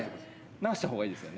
直したほうがいいですよね、